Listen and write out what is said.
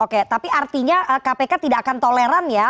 oke tapi artinya kpk tidak akan toleran ya